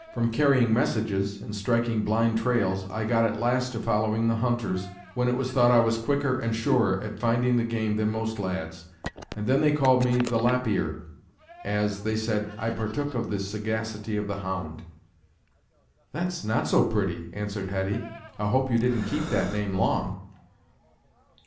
From carrying messages, and striking blind trails, I got at last to following the hunters, when it was thought I was quicker and surer at finding the game than most lads, and then they called me the 'Lap ear'; as, they said, I partook of the sagacity of the hound." "That's not so pretty," answered Hetty; "I hope you didn't keep that name long."